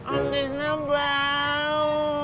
om tisna bau